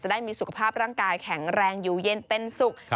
ได้มีสุขภาพร่างกายแข็งแรงอยู่เย็นเป็นสุข